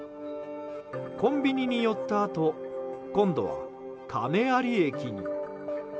コンビニに寄ったあと今度は亀有駅に。